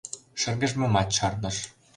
Шыргыжмымат чарныш.